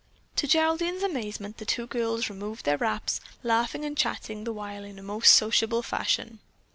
To Geraldine's amazement, the two girls removed their wraps, laughing and chatting the while in a most social fashion.